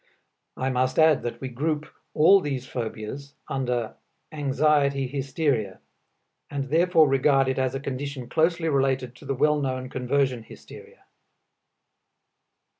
I must add that we group all these phobias under anxiety hysteria, and therefore regard it as a condition closely related to the well known conversion hysteria.